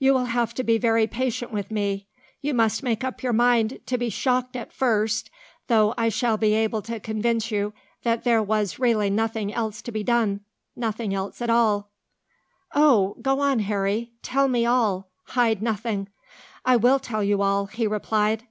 "You will have to be very patient with me. You must make up your mind to be shocked at first, though I shall be able to convince you that there was really nothing else to be done nothing else at all." "Oh! go on, Harry. Tell me all. Hide nothing." "I will tell you all," he replied.